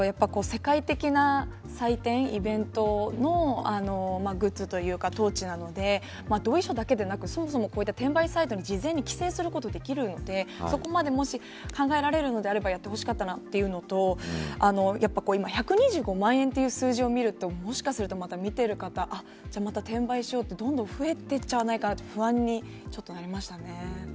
世界的な祭典イベントのグッズというかトーチなので同意書だけでなくこういった転売サイトで事前に規制することできるのでそこまで、もし考えられるなればやってほしかったなというのと今１２５万円という数字を見るともしかすると見ている方また転売しようと、どんどん増えていっちゃわないかなと不安になりました。